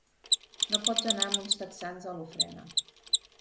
No pots anar amb uns texans a l’ofrena.